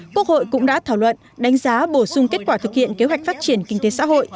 quốc hội cũng đã thảo luận đánh giá bổ sung kết quả thực hiện kế hoạch phát triển kinh tế xã hội